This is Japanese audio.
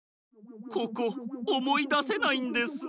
ここおもいだせないんです。